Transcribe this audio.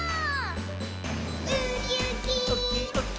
「ウキウキ」ウキウキ。